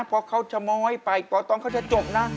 เพราะเขาจะม้อยไปตอนนี้เขาจะจบนะ